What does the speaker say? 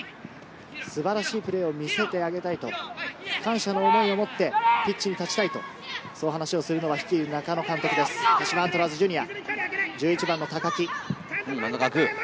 素晴らしいプレーを見せてあげたいと感謝の思いを持ってピッチに立ちたいと、そう話をするのが中野監督、鹿島アントラーズジュニア。